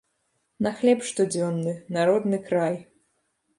На хлеб штодзённы, на родны край.